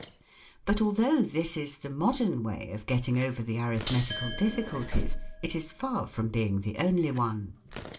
But although this is the modern way of getting over the arithmetical difficulties, it is far from being the only one.